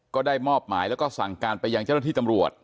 ก็ได้มอบหมายแล้วก็สั่งการไปยังเจ้าหน้าที่ตำรวจ